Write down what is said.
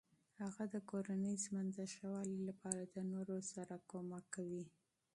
هغه د کورني ژوند د ښه والي لپاره د نورو سره مرسته کوي.